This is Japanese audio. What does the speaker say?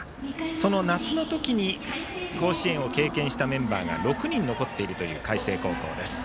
その夏の時に甲子園を経験したメンバーが６人残っているという海星高校。